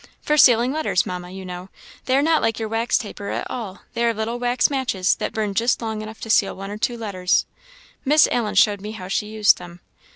"For sealing letters, Mamma, you know. They are not like your wax taper at all; they are little wax matches, that burn just long enough to seal one or two letters; Miss Allen showed me how she used them.